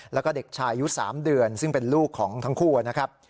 แล้วก็เด็กชายอายุ๓เดือนซึ่งเป็นลูกของทั้งคู่นะครับ